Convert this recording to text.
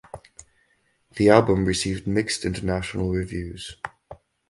The album received mixed international reviews.